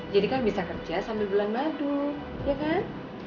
jadi kan bisa kerja sambil bulan madu ya kan